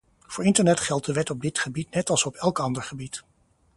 Voor internet geldt de wet op dit gebied net als op elk ander gebied.